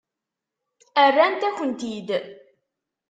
Rrant-ak-tent-id.